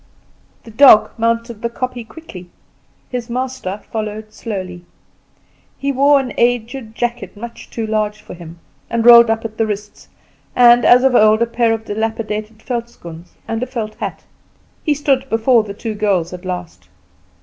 The dog mounted the kopje quickly, his master followed slowly. He wore an aged jacket much too large for him, and rolled up at the wrists, and, as of old, a pair of dilapidated velschoens and a felt hat. He stood before the two girls at last.